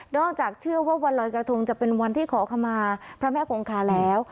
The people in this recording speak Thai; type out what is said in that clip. จากเชื่อว่าวันลอยกระทงจะเป็นวันที่ขอขมาพระแม่คงคาแล้ว